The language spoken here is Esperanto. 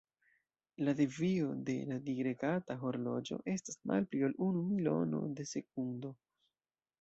La devio de radiregata horloĝo estas malpli ol unu milono de sekundo.